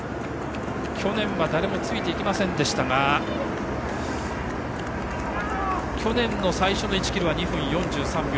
去年は誰もついていけませんでしたが去年の最初の１ｋｍは２分４３秒。